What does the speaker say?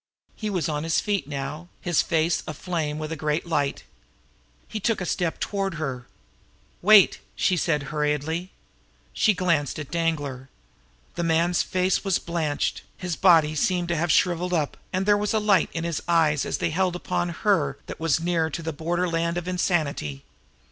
He was on his feet now, his face aflame with a great light. He took a step toward her. "Wait!" she said hurriedly. She glanced at Danglar. The man's face was blanched, his body seemed to have shriveled up, and there was a light in his eyes as they held upon her that was near to the borderland of insanity.